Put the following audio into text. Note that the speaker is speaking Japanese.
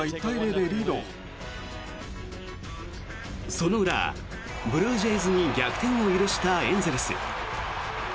その裏、ブルージェイズに逆転を許したエンゼルス。